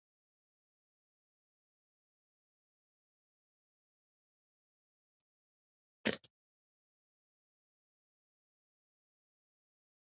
که میډیا ازاده وي نو حقایق نه پټیږي.